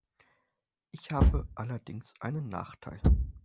Ich habe allerdings einen Nachteil.